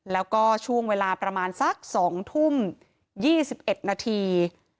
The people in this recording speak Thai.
แล้วก็ช่วงเวลาประมาณสัก๒ทุ่ม๒๑นาที